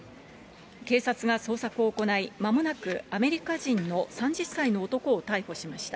警察が捜索を行い、まもなく、アメリカ人の３０歳の男を逮捕しました。